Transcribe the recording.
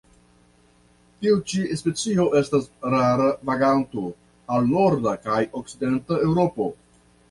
Tiu ĉi specio estas rara vaganto al norda kaj okcidenta Eŭropo.